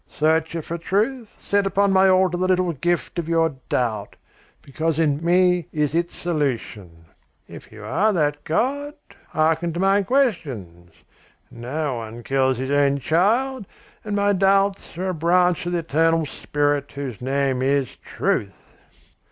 Searcher for truth, set upon my altar the little gift of your doubt, because in me is its solution.' If you are that god, harken to my questions. No one kills his own child, and my doubts are a branch of the eternal spirit whose name is truth."